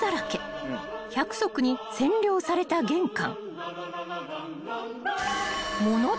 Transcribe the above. ［１００足に占領された玄関］